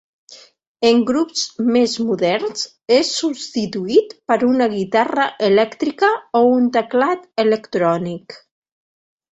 En grups més moderns, es substituït per una guitarra elèctrica o un teclat electrònic.